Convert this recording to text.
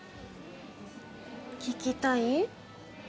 聞きたい？